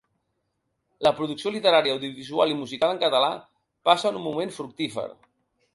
La producció literària, audiovisual i musical en català passen un moment fructífer.